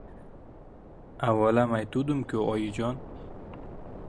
Avvalam aytuvdim-ku, oyijon.